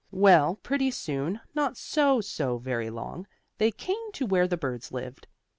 Well, pretty soon, not so so very long, they came to where the birds lived.